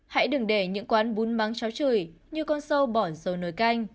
hãy đừng để những quán bún mắng cháu chửi như con sâu bỏ dầu nồi canh